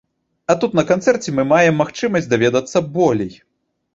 А тут на канцэрце мы маем магчымасць даведацца болей.